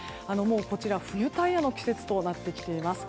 こちらは冬タイヤの季節となっています。